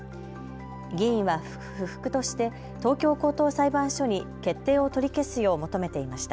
議員は不服として東京高等裁判所に決定を取り消すよう求めていました。